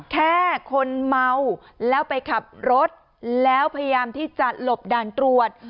แค่คนเมาแล้วไปขับรถแล้วพยายามที่จะหลบด่านตรวจ